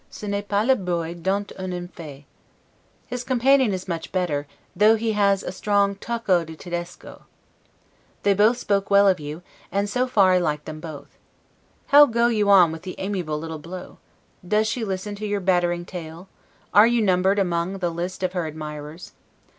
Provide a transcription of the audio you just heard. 'Ce n'est pas le bois don't on en fait'. His companion is much better, though he has a strong 'tocco di tedesco'. They both spoke well of you, and so far I liked them both. How go you on with the amiable little Blot? Does she listen to your Battering tale? Are you numbered among the list of her admirers?